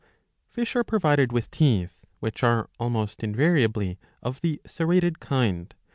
^* Fish are provided with tepth, which are almost invariably of the serrated kind.